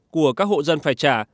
của các hộ dân phải trả